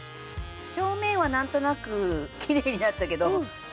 表面はなんとなくきれいになったけど。